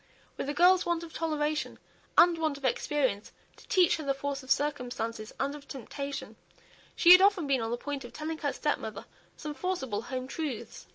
With a girl's want of toleration, and want of experience to teach her the force of circumstances, and of temptation, she had often been on the point of telling her stepmother some forcible home truths.